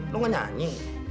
lo gak nyanyi